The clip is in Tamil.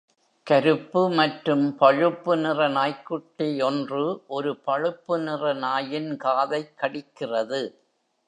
கருப்பு மற்றும் பழுப்பு நிற நாய்க்குட்டி ஒன்று ஒரு பழுப்பு நிற நாயின் காதைக் கடிக்கிறது.